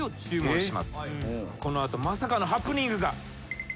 この後まさかのハプニングが。